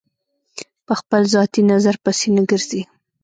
په خپل ذاتي نظر پسې نه ګرځي.